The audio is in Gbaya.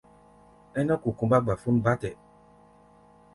Ɛ́nɛ́ kukumbá gbafón bátɛ.